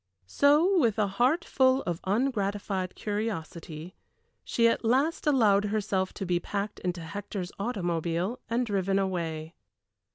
So with a heart full of ungratified curiosity, she at last allowed herself to be packed into Hector's automobile and driven away.